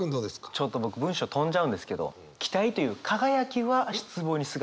ちょっと僕文章飛んじゃうんですけど「期待という輝きは『失望』に姿を変える」って真逆。